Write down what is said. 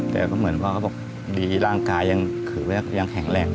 แต่ก็เหมือนว่าเขาบอกดีร่างกายถึงอย่างแข็งแรง